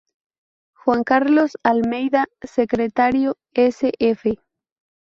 Juan Carlos Almeida, Secretario s.f.